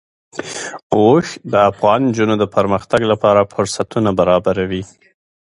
اوښ د افغان نجونو د پرمختګ لپاره فرصتونه برابروي.